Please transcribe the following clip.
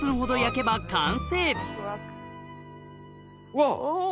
うわ！